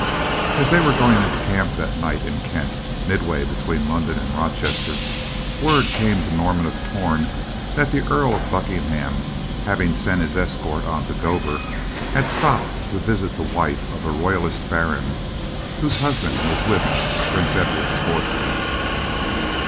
As they were going into camp that night in Kent, midway between London and Rochester, word came to Norman of Torn that the Earl of Buckingham, having sent his escort on to Dover, had stopped to visit the wife of a royalist baron, whose husband was with Prince Edward's forces.